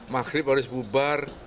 makrib harus bubar